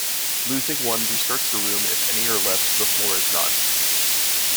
Losing one restarts the room if any are left, the floor if not.